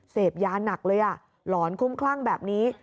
เสพยาหนักเลยหลอนคลุ้มคลั่งแบบนี้